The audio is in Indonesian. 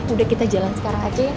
udah kita jalan sekarang aja